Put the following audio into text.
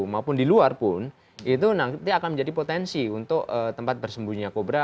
maupun di luar pun itu nanti akan menjadi potensi untuk tempat bersembunyinya kobra